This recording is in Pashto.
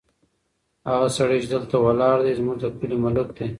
هغه سړی چې دلته ولاړ دی، زموږ د کلي ملک دی.